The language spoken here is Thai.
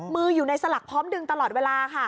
มืออยู่ในสลักพร้อมดึงตลอดเวลาค่ะ